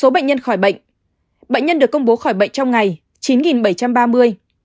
bệnh nhân được công bố khỏi bệnh trong ngày chín bảy trăm ba mươi